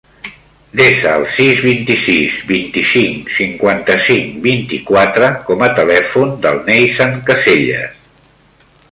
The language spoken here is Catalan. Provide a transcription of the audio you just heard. Desa el sis, vint-i-sis, vint-i-cinc, cinquanta-cinc, vint-i-quatre com a telèfon del Neizan Casellas.